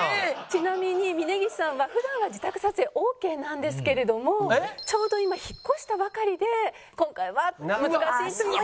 ちなみに峯岸さんは普段は自宅撮影ＯＫなんですけれどもちょうど今引っ越したばかりで今回は難しいという。